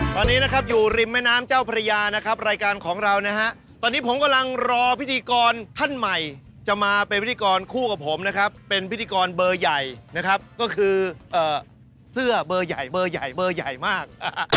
ตอนนี้นะครับอยู่ริมแม่น้ำเจ้าพระยานะครับรายการของเรานะฮะตอนนี้ผมกำลังรอพิธีกรท่านใหม่จะมาเป็นพิธีกรคู่กับผมนะครับเป็นพิธีกรเบอร์ใหญ่นะครับก็คือเสื้อเบอร์ใหญ่เบอร์ใหญ่เบอร์ใหญ่มาก